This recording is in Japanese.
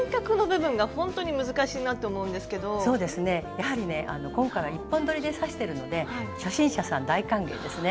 やはりね今回は１本どりで刺してるので初心者さん大歓迎ですね。